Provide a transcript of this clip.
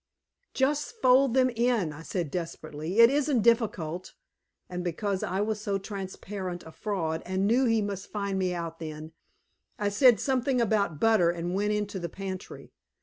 "Just fold them in," I said desperately. "It isn't difficult." And because I was so transparent a fraud and knew he must find me out then, I said something about butter, and went into the pantry.